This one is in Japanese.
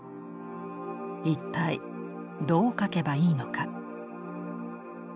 一体どう描けばいいのか？